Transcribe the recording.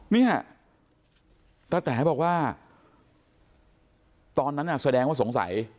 เนี่ยตะแต๋บอกว่าตอนนั้นน่ะแสดงว่าสงสัย